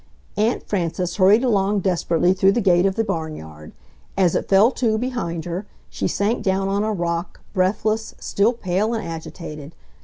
Aunt Frances hurried along desperately through the gate of the barnyard. As it fell to behind her she sank down on a rock, breathless, still pale and agitated.